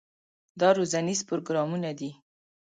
دا روزنیز پروګرامونه دي.